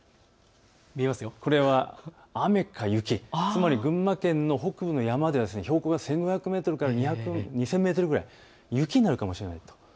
これは雨か雪、つまり群馬県の北部の山では標高が１５００メートルか２０００メートルぐらい、雪になるかもしれません。